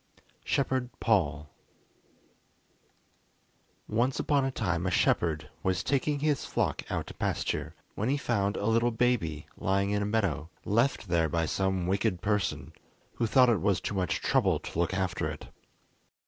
Shepherd Paul Once upon a time a shepherd was taking his flock out to pasture, when he found a little baby lying in a meadow, left there by some wicked person, who thought it was too much trouble to look after it.